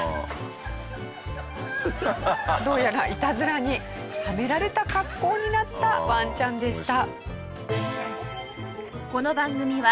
どうやらイタズラにはめられた格好になったワンちゃんでした。